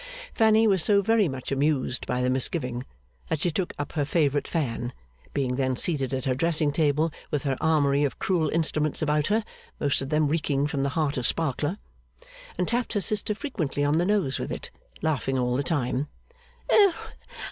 Fanny was so very much amused by the misgiving, that she took up her favourite fan (being then seated at her dressing table with her armoury of cruel instruments about her, most of them reeking from the heart of Sparkler), and tapped her sister frequently on the nose with it, laughing all the time.